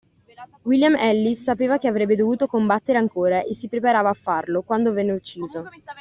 William Ellis sapeva che avrebbe dovuto combattere ancora e si preparava a farlo, quando venne ucciso.